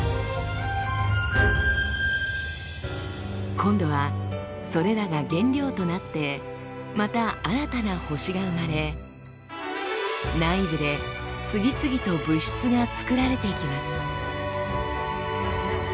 今度はそれらが原料となってまた新たな星が生まれ内部で次々と物質が作られていきます。